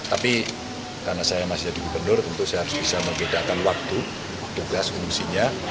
tapi karena saya masih jadi gubernur tentu saya harus bisa membedakan waktu tugas fungsinya